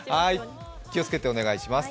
気をつけてお願いします。